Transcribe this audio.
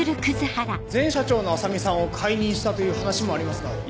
社長の浅海さんを解任したという話もありますが。